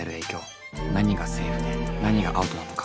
何がセーフで何がアウトなのか。